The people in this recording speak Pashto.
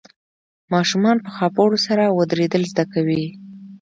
ماشومان په خاپوړو سره ودرېدل زده کوي.